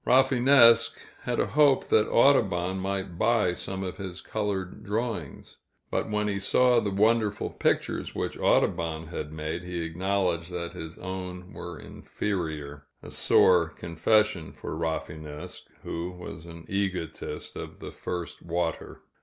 Rafinesque had a hope that Audubon might buy some of his colored drawings; but when he saw the wonderful pictures which Audubon had made, he acknowledged that his own were inferior a sore confession for Rafinesque, who was an egotist of the first water.